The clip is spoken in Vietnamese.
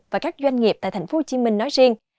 và các doanh nghiệp tại tp hcm nói riêng